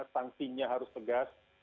tangsinya harus tegas